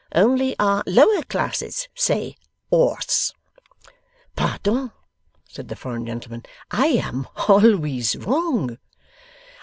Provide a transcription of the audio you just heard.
Only our Lower Classes Say "Orse!"' 'Pardon,' said the foreign gentleman; 'I am alwiz wrong!